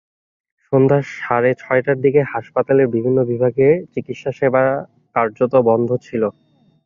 সন্ধ্যা সাড়ে ছয়টার দিকে হাসপাতালের বিভিন্ন বিভাগে চিকিৎসাসেবা কার্যত বন্ধ ছিল।